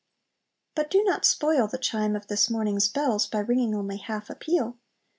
But do not spoil the chime of this morning's bells by ringing only half a peal!